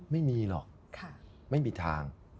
ไม่มีหรอกไม่มีทาง